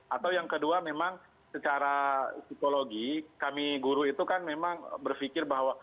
atau yang kedua memang secara psikologi kami guru itu kan memang berpikir bahwa